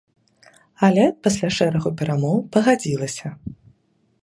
Але пасля шэрагу перамоў пагадзілася.